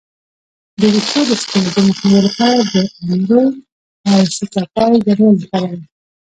د ویښتو د سپینیدو مخنیوي لپاره د املې او شیکاکای ګډول وکاروئ